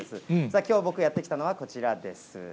きょう、僕がやって来たのはこちらです。